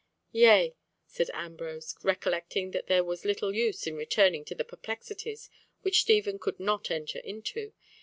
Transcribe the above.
"Yea," said Ambrose, recollecting that there was little use in returning to the perplexities which Stephen could not enter into.